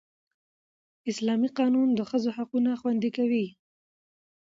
اسلامي قانون د ښځو حقونه خوندي کوي